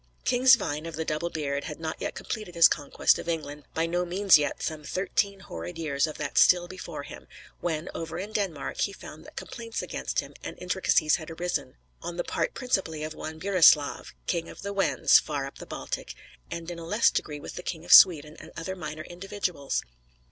King Svein of the Double beard had not yet completed his conquest of England, by no means yet, some thirteen horrid years of that still before him! when, over in Denmark, he found that complaints against him and intricacies had arisen, on the part principally of one Burislav, King of the Wends (far up the Baltic), and in a less degree with the King of Sweden and other minor individuals.